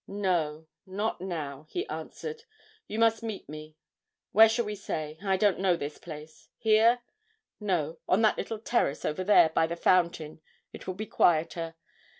'No, not now,' he answered; 'you must meet me where shall we say? I don't know this place here? No, on that little terrace over there, by the fountain; it will be quieter.